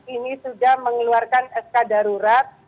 ini sudah mengeluarkan sk darurat